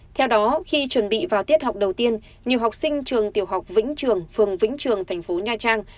theo đó khi chuẩn bị vào tiết học đầu tiên nhiều học sinh trường tiểu học vĩnh trường phường vĩnh trường thành phố nha trang